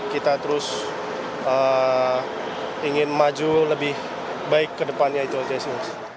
kita terus ingin maju lebih baik ke depannya itu aja sih